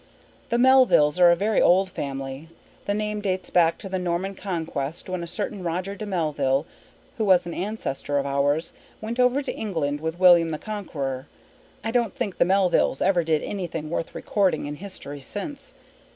The Melvilles are a very old family. The name dates back to the Norman conquest when a certain Roger de Melville, who was an ancestor of ours, went over to England with William the Conqueror. I don't think the Melvilles ever did anything worth recording in history since.